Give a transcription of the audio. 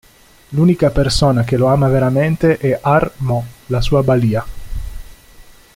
L'unica persona che lo ama veramente è Ar Mo, la sua balia.